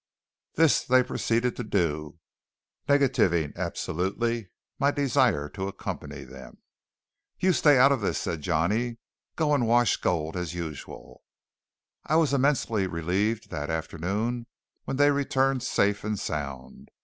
This they proceeded to do, negativing absolutely my desire to accompany them. "You stay out of this," said Johnny. "Go and wash gold as usual." I was immensely relieved that afternoon when they returned safe and sound.